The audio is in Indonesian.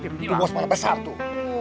itu bos mana pesan tuh